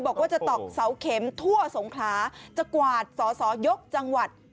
บอกว่าจะตอกเสาเข็มทั่วสงขลาจะกวาดสอสอยกจังหวัด